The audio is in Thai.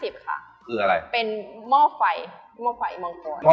๔๕๐บาทค่ะเป็นหม้อไฟหม้อไฟมังกร